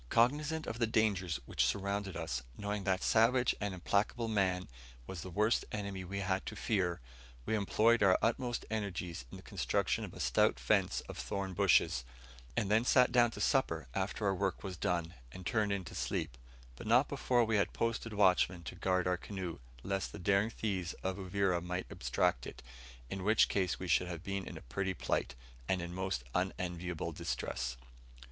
Cognizant of the dangers which surrounded us, knowing, that savage and implacable man was the worst enemy we had to fear, we employed our utmost energies in the construction of a stout fence of thorn bushes, and then sat down to supper after our work was done, and turned in to sleep; but not before we had posted watchmen to guard our canoe, lest the daring thieves of Uvira might abstract it, in which case we should have been in a pretty plight, and in most unenviable distress.